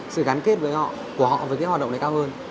sự gắn kết của họ với cái hoạt động này cao hơn